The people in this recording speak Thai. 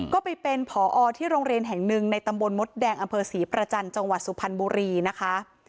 ก็ไปเป็นผอที่โรงเรียนแห่งหนึ่งในตำบลมดแดงอำเภอศรีประจันทร์จังหวัดสุพรรณบุรีนะคะ